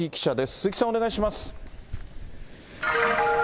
鈴木さん、お願いします。